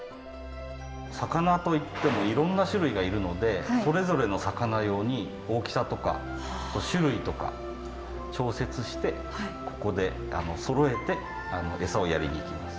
魚といってもいろんな種類がいるのでそれぞれの魚用に大きさとか種類とか調節してここでそろえて餌をやりに行きます。